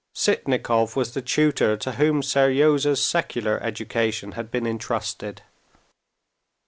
(Sitnikov was the tutor to whom Seryozha's secular education had been intrusted.)